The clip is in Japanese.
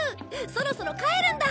そろそろかえるんだ！